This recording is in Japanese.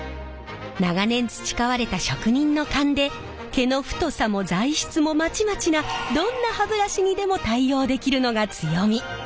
長年培われた職人の勘で毛の太さも材質もまちまちなどんな歯ブラシにでも対応できるのが強み。